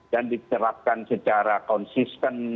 dan dicerapkan secara konsisten